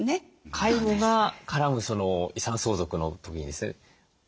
介護が絡む遺産相続の時にですね